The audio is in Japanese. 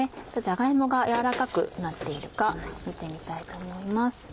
じゃが芋が軟らかくなっているか見てみたいと思います。